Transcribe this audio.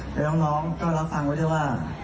แต่น้องก็รับฟังไว้ด้วยว่า